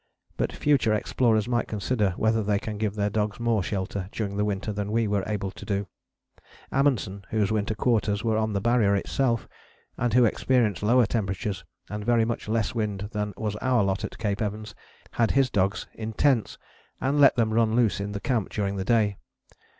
But future explorers might consider whether they can give their dogs more shelter during the winter than we were able to do. Amundsen, whose Winter Quarters were on the Barrier itself, and who experienced lower temperatures and very much less wind than was our lot at Cape Evans, had his dogs in tents, and let them run loose in the camp during the day.